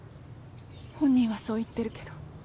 本人はそう言ってるけど。